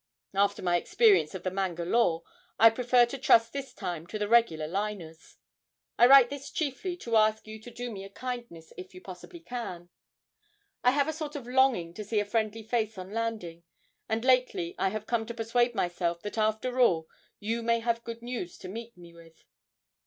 After my experience of the "Mangalore" I prefer to trust this time to the regular "liners." I write this chiefly to ask you to do me a kindness if you possibly can. I have a sort of longing to see a friendly face on landing, and lately I have come to persuade myself that after all you may have good news to meet me with.